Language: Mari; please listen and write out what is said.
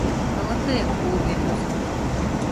Ала тыяк кугырген возат...